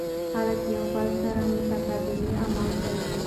خلک له یو بل سره متقابل عمل کوي.